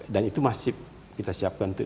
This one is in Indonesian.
dan itu masih kita siapkan untuk